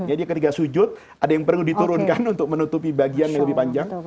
ketika sujud ada yang perlu diturunkan untuk menutupi bagian yang lebih panjang